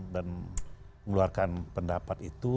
dan mengeluarkan pendapat itu